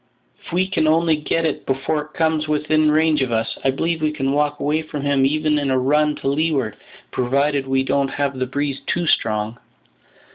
If we can only get it before he comes within range of us, I believe we can walk away from him even in a run to leeward, provided we don't have the breeze too strong."